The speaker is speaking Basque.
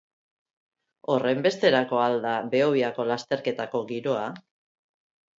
Horrenbesterako al da Behobiako lasterketako giroa?